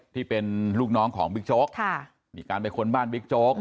ที่เป็นลูกน้องของบิ๊กโจ๊กมีการไปค้นบ้านบิ๊กโจ๊ก